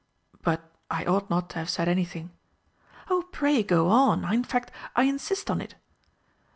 But I ought not to have said anything." "Oh, pray go on. In fact, I insist on it."